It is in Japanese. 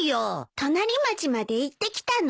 隣町まで行ってきたの？